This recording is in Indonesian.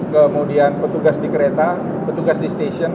kemudian petugas di kereta petugas di stasiun